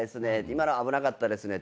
「今のは危なかったですね」